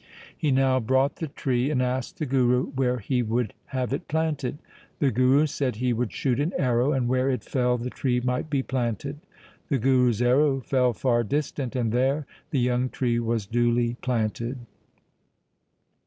He now brought the tree, and asked the Guru where he would have it planted. The Guru said he would shoot an arrow, and where it fell the tree might be planted. The Guru's arrow fell far distant, and there the young tree was duly planted.